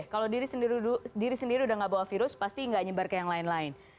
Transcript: kalau diri sendiri udah nggak bawa virus pasti nggak nyebar ke yang lain lain